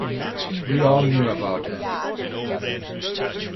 We all knew about him.